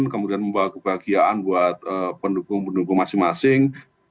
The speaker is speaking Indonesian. kemudian membawa kebahagiaan buat pendukung pendukung masing masing